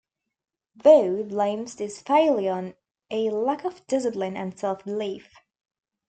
Waugh blames this failure on a lack of discipline and...self-belief.